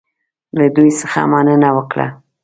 له دوی څخه مننه وکړه.